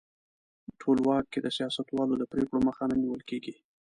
ټولواک کې د سیاستوالو د پرېکړو مخه نه نیول کیږي.